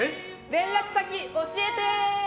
連絡先教えてー！